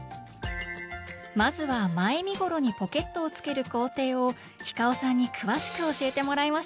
まずは前身ごろにポケットをつける工程をｈｉｃａｏさんに詳しく教えてもらいましょう！